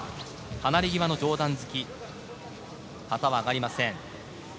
離れ際の上段突き旗は上がりません。